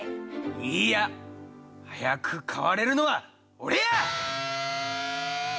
いいや早く買われるのは俺や！